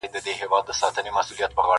زما جانان وې زما جانان یې جانانه یې,